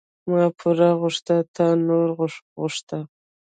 ـ ما پور غوښته تا نور غوښته.